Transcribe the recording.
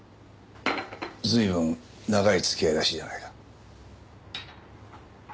随分長い付き合いらしいじゃないか。